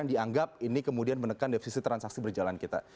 yang dianggap ini kemudian menekan defisi transaksi berjalan kita